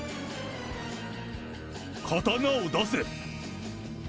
刀を出せ。